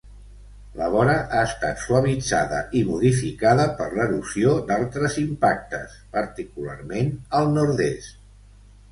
La vora ha estat suavitzada i modificada per l'erosió d'altres impactes, particularment al nord-est.